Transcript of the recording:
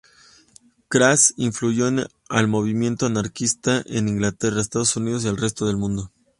Crass influyó al movimiento anarquista en Inglaterra, Estados Unidos y resto del mundo.